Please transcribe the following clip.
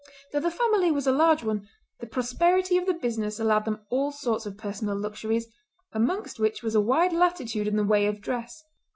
Though the family was a large one, the prosperity of the business allowed them all sorts of personal luxuries, amongst which was a wide latitude in the way of dress.